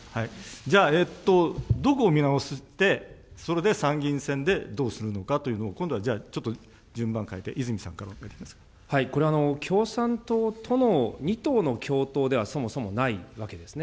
じゃあ、どこを見直して、それで参議院選でどうするのかというのを、今度はじゃあ、順番変えて、これは共産党との、２党の共闘ではそもそもないわけですね。